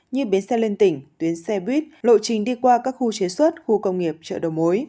như bến xe liên tỉnh tuyến xe buýt lộ trình đi qua các khu chế xuất khu công nghiệp chợ đầu mối